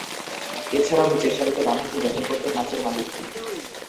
এছাড়াও, নিচেরসারিতে ডানহাতে ব্যাটিং করতেন নাসির মালিক।